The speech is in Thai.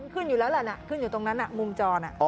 ขึ้นอยู่แล้วล่ะขึ้นอยู่ตรงนั้นมุมจร